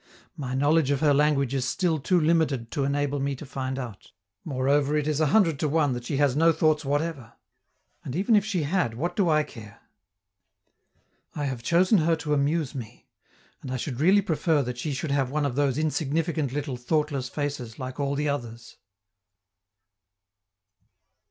My knowledge of her language is still too limited to enable me to find out. Moreover, it is a hundred to one that she has no thoughts whatever. And even if she had, what do I care? I have chosen her to amuse me, and I should really prefer that she should have one of those insignificant little thoughtless faces like all the others.